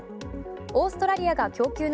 オーストラリアが供給の